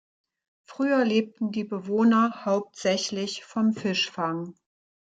Früher lebten die Bewohner hauptsächlich vom Fischfang.